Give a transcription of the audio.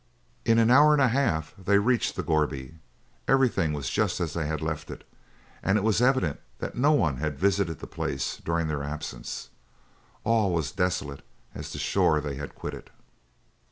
In an hour and a half they reached the gourbi. Everything was just as they had left it, and it was evident that no one had visited the place during their absence. All was desolate as the shore they had quitted.